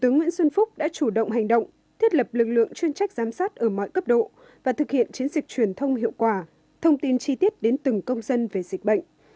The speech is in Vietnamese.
thủ tướng nguyễn xuân phúc đã chủ động hành động thiết lập lực lượng chuyên trách giám sát ở mọi cấp độ và thực hiện chiến dịch truyền thông hiệu quả thông tin chi tiết đến từng công dân về dịch bệnh